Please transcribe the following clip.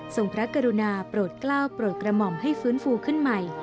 พระกรุณาโปรดกล้าวโปรดกระหม่อมให้ฟื้นฟูขึ้นใหม่